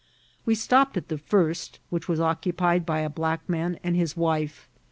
We stc^iped at the first, which was occupied by a black man and his wife.